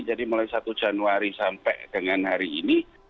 jadi mulai satu januari sampai dengan hari ini